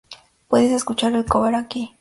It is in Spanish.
Puedes escuchar el cover aquí.